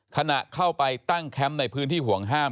ขณะเข้าไปตั้งแคมป์ในพื้นที่ห่วงห้าม